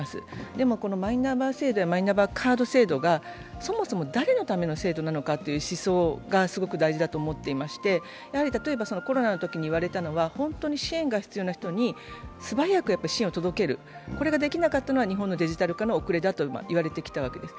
でも、このマイナンバー制度やマイナンバーカード制度がそもそも誰のための制度なのかという思想が大事だと思ってまして例えばコロナのときに言われたのは、本当に支援が必要な人に素早く支援を届けることができなかったのは日本のデジタル化の遅れだと言われてきたわけです。